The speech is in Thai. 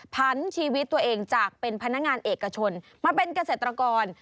พันชีวิตตัวเองจากเป็นพนักงานเอกชนมาเป็นเกษตรกร